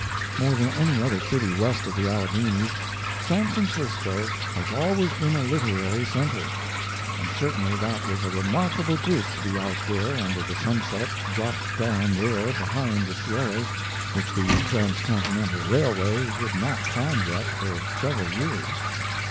More than any other city west of the Alleghanies, San Francisco has always been a literary center; and certainly that was a remarkable group to be out there under the sunset, dropped down there behind the Sierras, which the transcontinental railway would not climb yet, for several years.